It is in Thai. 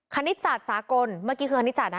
คณิตศาสตร์สากลเมื่อกี้คือคณิตศาสตร์นะ